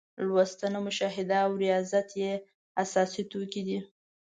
لوستنه، مشاهده او ریاضت یې اساسي توکي دي.